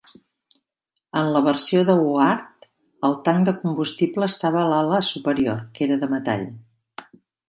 En la versió de Houart el tanc de combustible estava en l'ala superior, que era de metall.